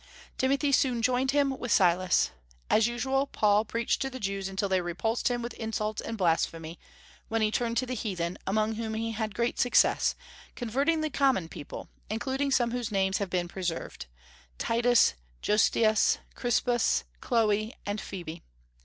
Timothy soon joined him, with Silas. As usual, Paul preached to the Jews until they repulsed him with insults and blasphemy, when he turned to the heathen, among whom he had great success, converting the common people, including some whose names have been preserved, Titus, Justius, Crispus, Chloe, and Phoebe.